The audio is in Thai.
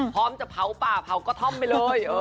พร้อมจะเผาป่าเผากระท่อมไปเลย